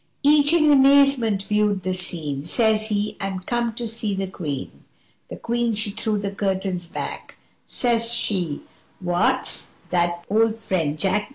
Each in amazement viewed the scene Says he 'I'm comed to see the Queen!' The Queen she threw the curtains back Says she 'What's that my old friend Jack?